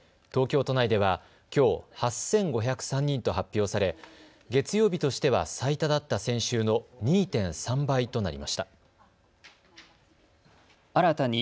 東京都内ではきょう８５０３人と発表され月曜日としては最多だった先週の２．３倍となりました。